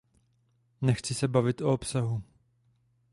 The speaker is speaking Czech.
Nechci se bavit o obsahu.